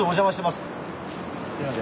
すいません。